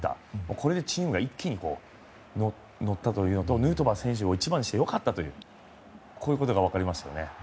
これでチームが一気に乗ったというのとヌートバー選手を１番にして良かったとこういうことが分かりますよね。